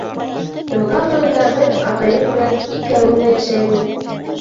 Йылға буйында беҙ атайым менән икәү генә йәшәйбеҙ.